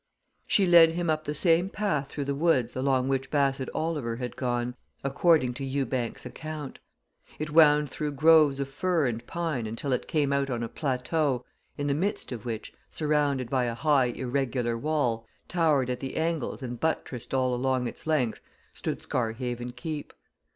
She led him up the same path through the woods along which Bassett Oliver had gone, according to Ewbank's account. It wound through groves of fir and pine until it came out on a plateau, in the midst of which, surrounded by a high irregular wall, towered at the angles and buttressed all along its length, stood Scarhaven Keep.